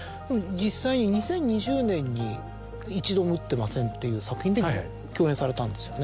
実際に２０２０年に『一度も撃ってません』っていう作品で共演されたんですよね。